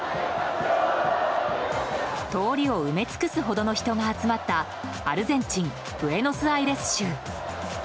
通りを埋め尽くすほどの人が集まったアルゼンチン・ブエノスアイレス州。